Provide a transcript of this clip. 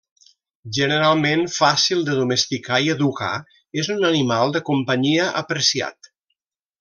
Generalment fàcil de domesticar i educar, és un animal de companyia apreciat.